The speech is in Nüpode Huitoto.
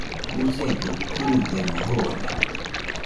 Musegɨ kɨrigamo jone.